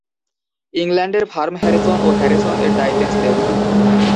ইংল্যান্ডের firm Harrison ও Harrison এর দায়িত্বে ছিলেন।